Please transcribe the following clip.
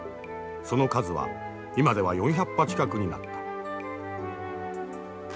その数は今では４００羽近くになった。